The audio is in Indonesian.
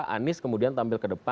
anies kemudian tampil kedalam